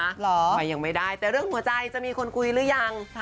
เหรอไปยังไม่ได้แต่เรื่องหัวใจจะมีคนคุยหรือยัง